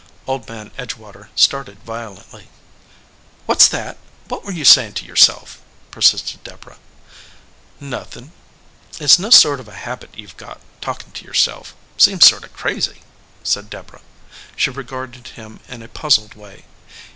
Old Man Edgewater started violent!} . "What s that ? What were you saying to your self ?" persisted Deborah. 9 121 EDGEWATER PEOPLE "Nothin ." "It s no sort of a habit you ve got, talking to yourself; seems sort of crazy/ said Deborah. She regarded him in a puzzled way.